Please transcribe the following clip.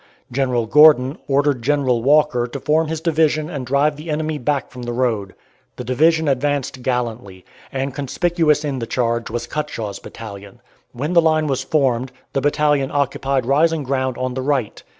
General Gordon ordered General Walker to form his division and drive the enemy back from the road. The division advanced gallantly, and conspicuous in the charge was Cutshaw's battalion. When the line was formed, the battalion occupied rising ground on the right.